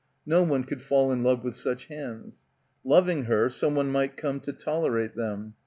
No one could fall in love with such hands. Loving her, someone might come to tolerate them.